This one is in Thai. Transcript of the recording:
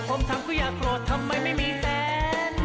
ผมทำก็อย่าโกรธทำไมไม่มีแฟน